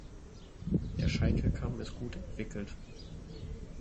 Der Scheitelkamm ist gut entwickelt.